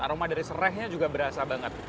aroma dari serainya juga berasa banget